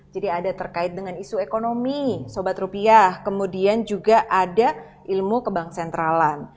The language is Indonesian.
ada terkait dengan isu ekonomi sobat rupiah kemudian juga ada ilmu kebang sentralan